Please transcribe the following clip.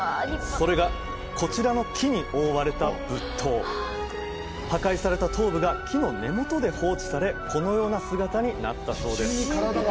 それがこちらの木に覆われた仏頭破壊された頭部が木の根元で放置されこのような姿になったそうです